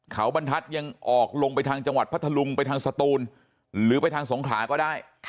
เขาบรรทัศน์ยังออกลงไปทางจังหวัดพัทธลุงไปทางสตูนหรือไปทางสงขลาก็ได้